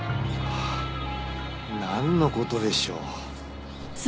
何のことでしょう？